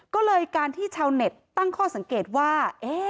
ก็เลยการที่ชาวเน็ตตั้งข้อสังเกตว่า